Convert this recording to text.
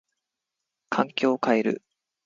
環境を変える。